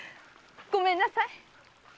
ごめんなさい。